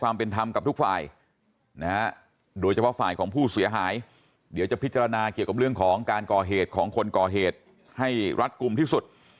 เรื่องทางคดีนะครับทางตำรวจส